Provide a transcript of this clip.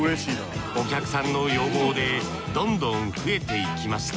お客さんの要望でどんどん増えていきました